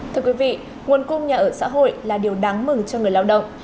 thưa quý vị nguồn cung nhà ở xã hội là điều đáng mừng cho người lao động